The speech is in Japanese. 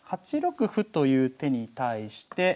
８六歩という手に対して。